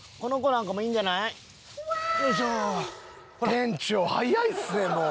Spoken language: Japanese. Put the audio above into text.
店長早いですねもう。